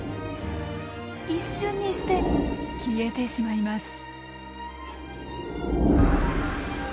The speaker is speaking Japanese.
一瞬にして消えてしまいます。